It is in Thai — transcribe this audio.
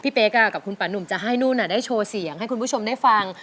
เป๊กกับคุณป่านุ่มจะให้นุ่นได้โชว์เสียงให้คุณผู้ชมได้ฟัง